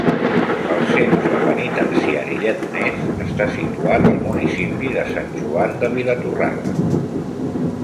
El Centre Penitenciari Lledoners està situat al municipi de Sant Joan de Vilatorrada.